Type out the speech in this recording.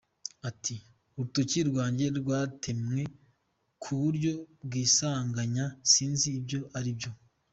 Ati “Urutoki rwanjye rwatemwe ku buryo bw’isanganya, sinzi ibyo ari byo.